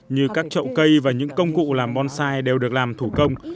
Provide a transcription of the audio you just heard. như các trậu cây và những công cụ làm bonsai đều được làm thủ công